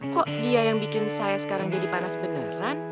kok dia yang bikin saya sekarang jadi panas beneran